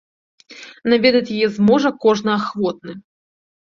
Наведаць яе зможа кожны ахвотны.